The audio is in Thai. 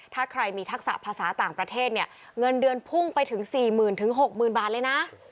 ถ้าใครมีทักษะภาษาต่างประเทศเนี่ยเงินเดือนพุ่งไปถึง๔๐๐๐๖๐๐๐บาทเลยนะ